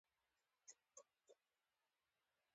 د کلیزو منظره د افغانستان د طبیعي زیرمو برخه ده.